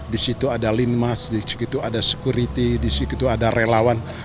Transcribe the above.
di sekitar sekuriti di sekitar relawan